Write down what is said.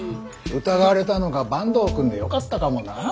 疑われたのが坂東くんでよかったかもな。